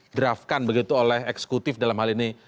draftkan begitu oleh eksekutif dalam hal ini